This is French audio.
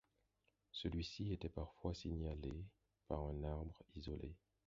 Celui-ci était parfois signalé par un arbre isolé.